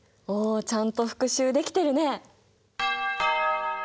おおちゃんと復習できてるね。